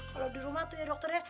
kalau di rumah tuh ya dokternya